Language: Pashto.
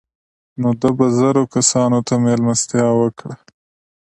نو ده به زرو کسانو ته مېلمستیا وکړه.